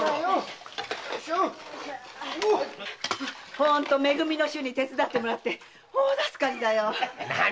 ホントめ組の衆に手伝ってもらって大助かりだよ。